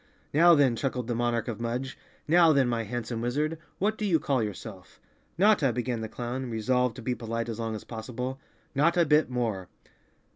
"Now then," chuckled the monarch of Mudge, "now then, my handsome wizard, what do you call yourself?" "Notta," began the clown, resolved to be polite as long as possible, "Notta Bit More."